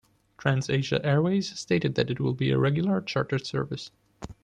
TransAsia Airways stated that it will be a regular chartered service.